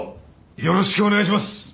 よろしくお願いします！